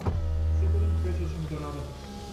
Секој ден пешачам до работа.